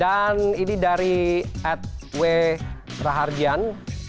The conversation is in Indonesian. dan ini dari at w prahargian dua